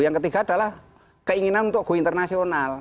yang ketiga adalah keinginan untuk go internasional